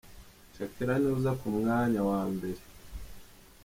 Shakira niwe uza ku mwanya wa mbere.